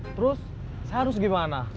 terus saya harus gimana